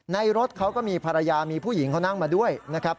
รถเขาก็มีภรรยามีผู้หญิงเขานั่งมาด้วยนะครับ